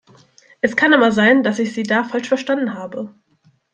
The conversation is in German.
Es kann aber sein, dass ich Sie da falsch verstanden habe.